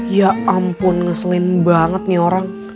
ya ampun ngeselin banget nih orang